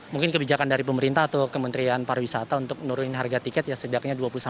mungkin kebijakan dari pemerintah atau kementerian pariwisata untuk menurunkan harga tiket ya setidaknya